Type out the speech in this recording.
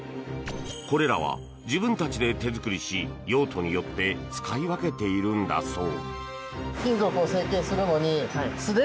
これらは自分たちで手作りし用途によって使い分けているんだそう。